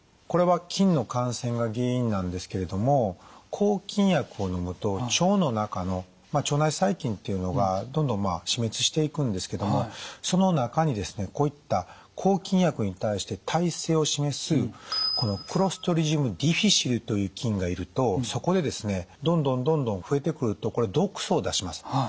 これは菌の感染が原因なんですけれども抗菌薬をのむと腸の中の腸内細菌っていうのがどんどん死滅していくんですけどもその中にですねこういった抗菌薬に対して耐性を示すクロストリジウム・ディフィシルという菌がいるとそこでですねどんどんどんどん増えてくるとこれ毒素を出します。